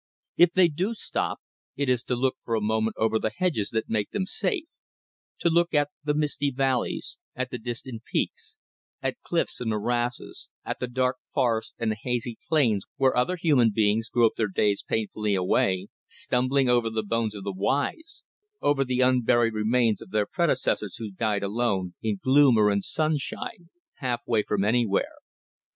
If they do stop, it is to look for a moment over the hedges that make them safe, to look at the misty valleys, at the distant peaks, at cliffs and morasses, at the dark forests and the hazy plains where other human beings grope their days painfully away, stumbling over the bones of the wise, over the unburied remains of their predecessors who died alone, in gloom or in sunshine, halfway from anywhere.